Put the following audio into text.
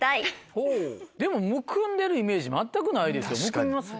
ほぉでもむくんでるイメージ全くないですけどむくみます？